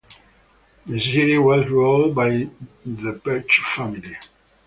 The city was ruled by the Pech family.